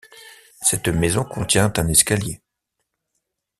Cette maison contient un escalier.